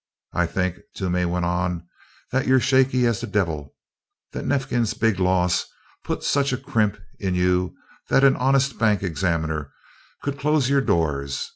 "I think," Toomey went on, "that you're shaky as the devil that Neifkins' big loss put such a crimp in you that an honest bank examiner could close your doors!